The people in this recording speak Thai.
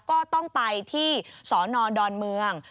ก็ต้องไปที่สนดอนเมือง